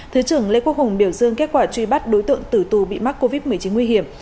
thứ trưởng lê quốc hùng biểu dương kết quả truy bắt đối tượng tử tù bị mắc covid một mươi chín nguy hiểm